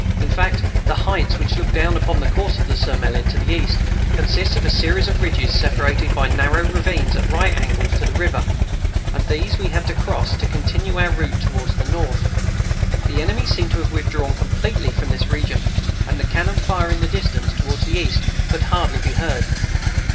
In fact, the heights, which look down upon the course of the Surmelin to the east, consist of a series of ridges separated by narrow ravines at right angles to the river, and these we had to cross to continue our route towards the north. The enemy seemed to have withdrawn completely from this region, and the cannon fire in the distance towards the east could hardly be heard.